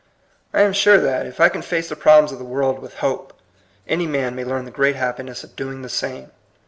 I am sure that, if I can face the problems of the world with hope, any man may learn the great happiness of doing the same.